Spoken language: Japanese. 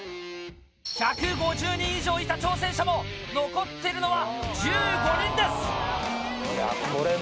１５０人以上いた挑戦者も残ってるのは１５人です！